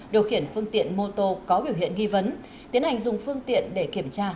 điều khiển phương tiện mô tô có biểu hiện nghi vấn tiến hành dùng phương tiện để kiểm tra